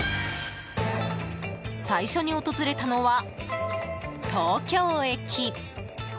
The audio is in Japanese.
最初に訪れたのは、東京駅。